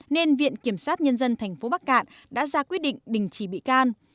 nên viện kiểm sát nhân dân tp bắc cạn đã ra quyết định đình chỉ bị can